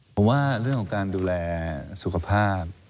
ผมว่าเรื่องของการดูแลสุขภาพ